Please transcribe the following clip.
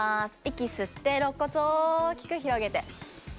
息吸って肋骨を大きく広げて。